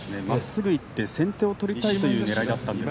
まっすぐいって先手を取りたいという作戦でした。